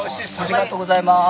ありがとうございます。